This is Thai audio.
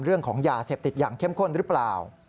เรื่องของยาเสพติดอย่างเข้มข้นหรือเปล่า